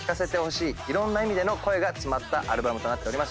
いろんな意味での声が詰まったアルバムとなっております。